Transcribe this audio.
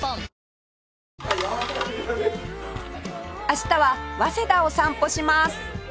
明日は早稲田を散歩します